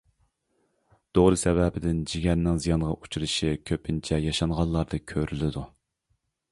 دورا سەۋەبىدىن جىگەرنىڭ زىيانغا ئۇچرىشى كۆپىنچە ياشانغانلاردا كۆرۈلىدۇ.